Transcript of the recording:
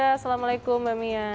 assalamualaikum mbak mia